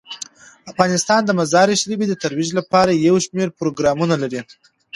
افغانستان د مزارشریف د ترویج لپاره یو شمیر پروګرامونه لري.